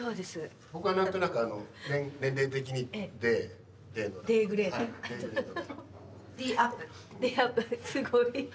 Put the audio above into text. すごい。